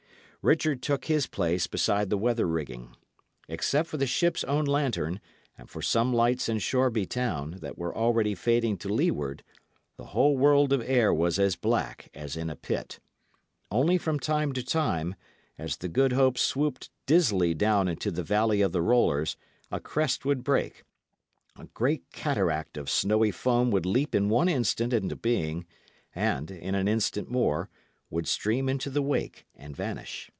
Richard took his place beside the weather rigging. Except for the ship's own lantern, and for some lights in Shoreby town, that were already fading to leeward, the whole world of air was as black as in a pit. Only from time to time, as the Good Hope swooped dizzily down into the valley of the rollers, a crest would break a great cataract of snowy foam would leap in one instant into being and, in an instant more, would stream into the wake and vanish.